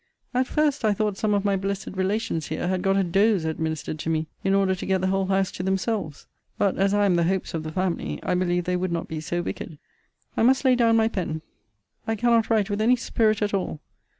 At first, I thought some of my blessed relations here had got a dose administered to me, in order to get the whole house to themselves. But, as I am the hopes of the family, I believe they would not be so wicked. I must lay down my pen. I cannot write with any spirit at all.